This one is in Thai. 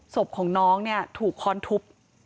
ศพของน้องเนี่ยถูกค้อนทุบ